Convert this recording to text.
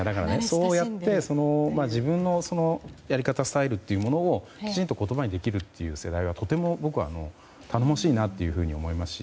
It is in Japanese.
そうやって自分のやり方スタイルというものをきちんと言葉にできる世代はとても僕は頼もしいなと思いますし。